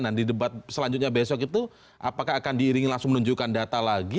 nah di debat selanjutnya besok itu apakah akan diiringi langsung menunjukkan data lagi